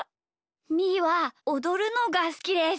みーはおどるのがすきです。